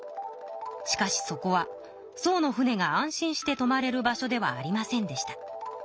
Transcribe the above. しかしそこは宋の船が安心してとまれる場所ではありませんでした。